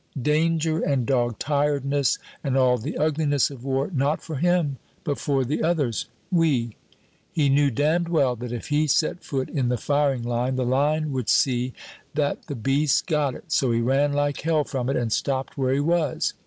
Danger and dog tiredness and all the ugliness of war not for him, but for the others, oui. He knew damned well that if he set foot in the firing line, the line would see that the beast got it, so he ran like hell from it, and stopped where he was.